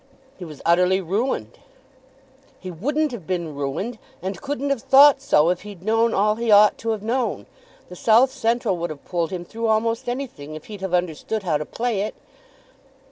"He was utterly ruined." "He wouldn't have been ruined, and couldn't have thought so if he'd known all he ought to have known. The South Central would have pulled him through a'most anything if he'd have understood how to play it."